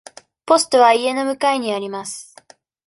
ポストは家の向かいにあります。